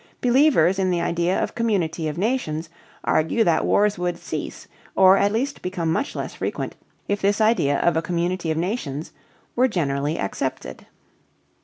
Believers in the idea of the community of nations argue that wars would cease or at least become much less frequent if this idea of a community of nations were generally accepted.